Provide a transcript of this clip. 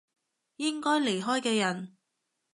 應該離開嘅人